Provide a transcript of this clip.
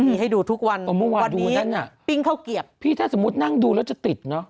มีให้ดูทุกวันวันนี้ปิ๊งเข้าเกียบวันที่นั่งดูอันนั้นพี่ถ้าสมมุตินั่งดูแล้วจะติดเนอะ